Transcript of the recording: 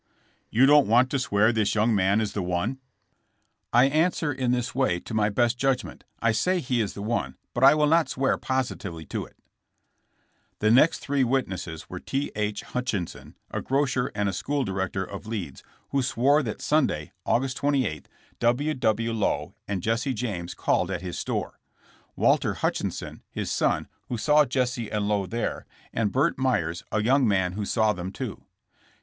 "You don't want to swear this young man is the one? >> 166 JESSB JAMKS. II 1 answer in this way, to my best judgment. I say he is the one, but I will not swear positively to if The next three witnesses were T. H. Hutchison, a grocer and a school director of Leeds, who swore that Sunday, August 28, W. W. Lowe and Jesse James called at his store; Walter Hutchinson, his son, who saw Jesse and Lowe there, and Burt Meyers, a young man who saw them, too.